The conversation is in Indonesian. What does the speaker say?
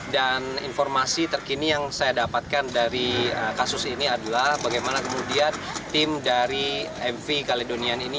dan informasi terkini yang saya dapatkan dari kasus ini adalah bagaimana kemudian tim dari mv caledonian ini